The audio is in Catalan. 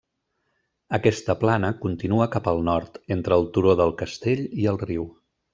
Aquesta plana continua cap al nord, entre el turó del Castell i el riu.